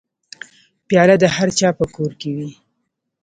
پیاله د هرچا په کور کې وي.